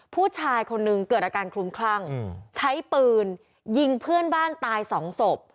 ผู้ชายคนหนึ่งเกิดอาการคลุมคลั่งใช้ปืนยิงเพื่อนบ้านตายสองศพ